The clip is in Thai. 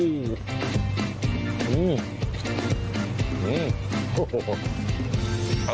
อื้อ